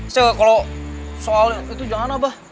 saya kalau soalnya itu jangan abah